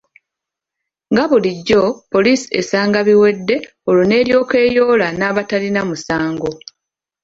Nga bulijjo poliisi esanga biwedde olwo n’eryoka eyoola n’abatalina musango.